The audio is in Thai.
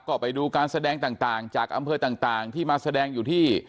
ก็ไปดูการแสดงต่างจากอำเภอต่างที่มาแสดงอยู่ที่